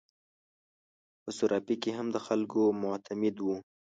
په صرافي کې هم د خلکو معتمد وو.